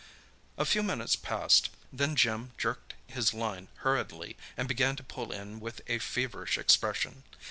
A few minutes passed. Then Jim jerked his line hurriedly and began to pull in with a feverish expression.